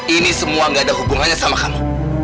ini semua gak ada hubungannya sama hangat